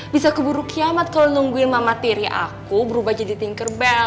bisa keburu kiamat kalau nungguin mama tiryaku berubah jadi tinkerbell